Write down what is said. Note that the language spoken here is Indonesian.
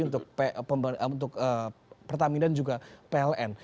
untuk pertamina dan juga pln